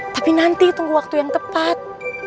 tapi nanti tunggu waktu yang tepat